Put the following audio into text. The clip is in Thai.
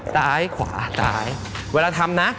ซ้ายขวาซ้ายเวลาทำนะ